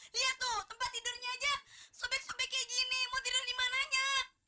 lihat tuh tempat tidurnya aja sobek sobeknya gini mau tidur dimananya